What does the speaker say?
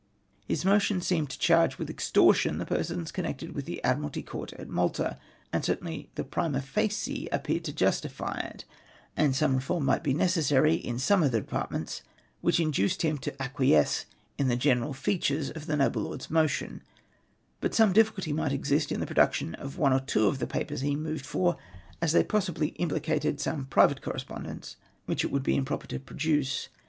His motion seemed to charge Avith extortion the persons connected with the Admiralty Court at Malta ; and certainly the jjrrnia fades appeared to justify it, and some reform might be necessary in some of the departments, which induced him to acquiesce in the general features of the noble lord's motion ; but some difficulty might exist in the production of one or two of the papers he moved for, as they possibly implicated some private correspondence which it would be improper to produce.